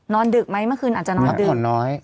นอนดึกไหมเมื่อคืนอาจจะนอนดึก